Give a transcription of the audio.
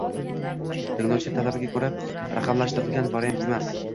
tinglovchi talabiga ko‘ra, raqamlashtirilgan variant emas